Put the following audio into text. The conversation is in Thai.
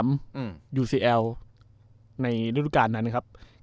โอ้โห